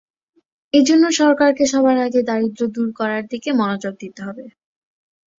এ জন্য সরকারকে সবার আগে দারিদ্র্য দূর করার দিকে মনোযোগ দিতে হবে।